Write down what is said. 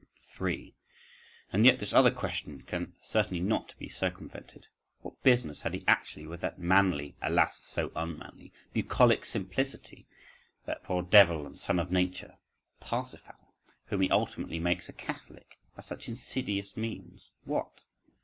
3. And yet this other question can certainly not be circumvented: what business had he actually with that manly (alas! so unmanly) "bucolic simplicity," that poor devil and son of nature—Parsifal, whom he ultimately makes a catholic by such insidious means—what?